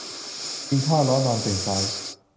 กินข้าวร้อนนอนตื่นสาย